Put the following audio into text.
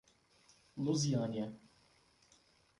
Luziânia